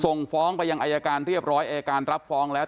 ส่งฟ้องไปยังอายการเรียบร้อยอายการรับฟ้องแล้ว